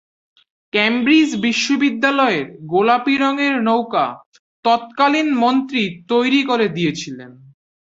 Cambridge বিশ্ববিদ্যালয়ের গোলাপি রঙের নৌকা তৎকালীন মন্ত্রী তৈরি করে দিয়েছিলেন।